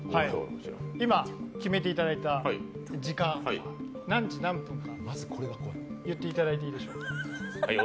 今、決めていただいた時間、何時何分か言っていただいていいでしょうか？